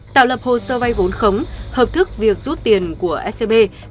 tạo lập hồ sơ vay vốn khống hợp thức việc rút tiền của scb